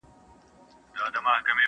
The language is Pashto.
د خوني کونج کي یو نغری دی پکښي اور بلیږي٫